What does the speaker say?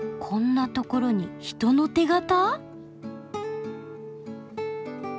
こんなところに人の手形？